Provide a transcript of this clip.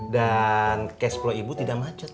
dan cashflow ibu tidak macet